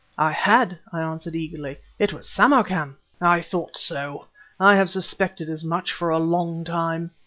"I had!" I answered eagerly. "It was Samarkan!" "I thought so! I have suspected as much for a long time."